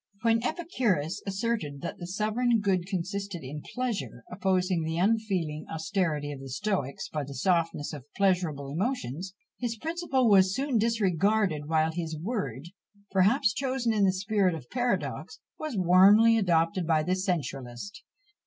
When Epicurus asserted that the sovereign good consisted in pleasure, opposing the unfeeling austerity of the Stoics by the softness of pleasurable emotions, his principle was soon disregarded; while his word, perhaps chosen in the spirit of paradox, was warmly adopted by the sensualist.